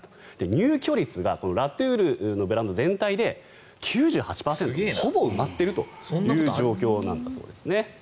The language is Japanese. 入居率がラ・トゥールのブランド全体で９８％とほぼ埋まっているという状況なんだそうです。